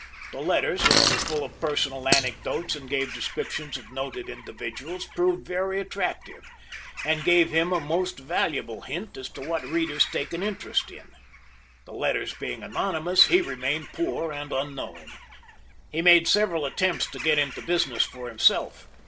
The letters, which were full of personal anecdotes, and gave descriptions of noted individuals, proved very attractive, and gave him a most valuable hint as to what readers take an interest in. The letters being anonymous, he remained poor and unknown. He made several attempts to get into business for himself.